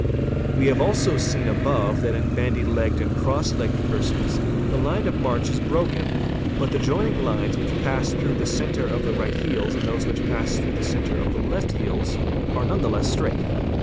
We have also seen above that in bandy legged and cross legged persons the line of march is broken, but the joing lines which pass through the centre of the right heels and those which pass through the centre of the left heels are none the less straight.